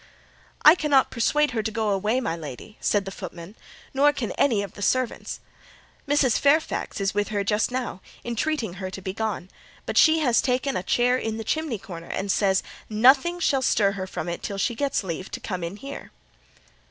"But I cannot persuade her to go away, my lady," said the footman; "nor can any of the servants: Mrs. Fairfax is with her just now, entreating her to be gone; but she has taken a chair in the chimney corner, and says nothing shall stir her from it till she gets leave to come in here."